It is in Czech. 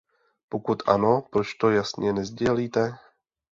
Pokud ano, proč to jasně nesdělíte?